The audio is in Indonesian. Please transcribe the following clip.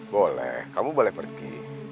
boleh kamu boleh pergi